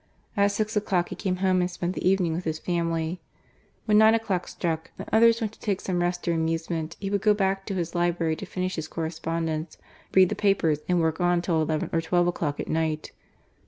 At six o'clock he came home and spent the evening with his family. When nine o'clock struck and others went to take some rest or amusement, he would go back to his library to finish his corres pondence, read the papers, and work on till eleven or twelve o'clock at night.